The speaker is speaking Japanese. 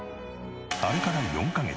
あれから４カ月。